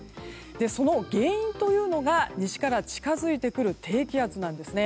その原因というのが西から近づいてくる低気圧です。